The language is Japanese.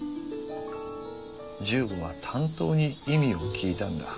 十五は担当に意味を聞いたんだ。